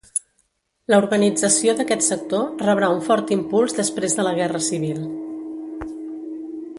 La urbanització d'aquest sector rebrà un fort impuls després de la guerra civil.